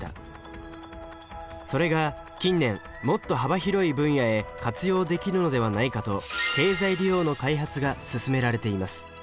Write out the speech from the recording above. それが近年もっと幅広い分野へ活用できるのではないかと経済利用の開発が進められています。